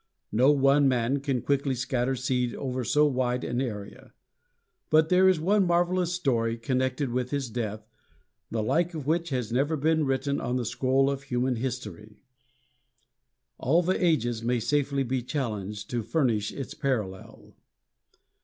No one man can quickly scatter seed over so wide an area. But there is one marvelous story connected with his death, the like of which has never been written on the scroll of human history. All the ages may safely be challenged to furnish its parallel.